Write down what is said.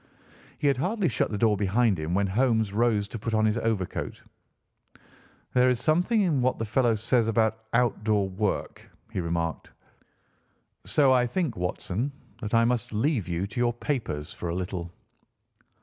He had hardly shut the door behind him when Holmes rose to put on his overcoat. "There is something in what the fellow says about outdoor work," he remarked, "so I think, Watson, that I must leave you to your papers for a little."